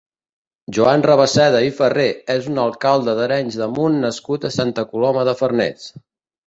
Joan Rabasseda i Ferrer és un alcalde d'Arenys de Munt nascut a Santa Coloma de Farners.